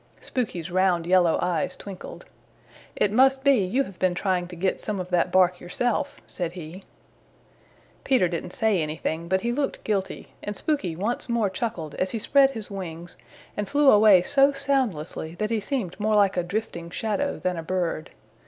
Spooky's round yellow eyes twinkled. "It must be you have been trying to get some of that bark yourself," said he. Peter didn't say anything but he looked guilty, and Spooky once more chuckled as he spread his wings and flew away so soundlessly that he seemed more like a drifting shadow than a bird.